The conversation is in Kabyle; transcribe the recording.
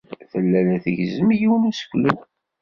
Tella la tgezzem yiwen n useklu.